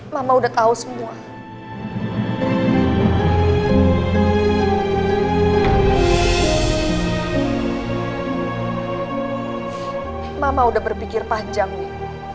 mama udah berpikir panjang nih